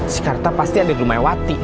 si karta pasti ada di rumah ewati